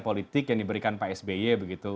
politik yang diberikan pak sby begitu